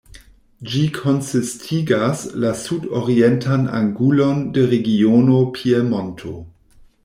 Ĝi konsistigas la sud-orientan angulon de regiono Piemonto.